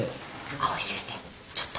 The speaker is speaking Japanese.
藍井先生ちょっと。